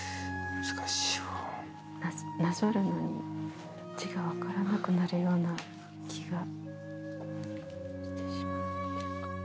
なぞるのに字が分からなくなるような気が。